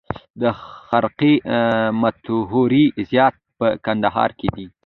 د خرقې مطهرې زیارت په کندهار کې دی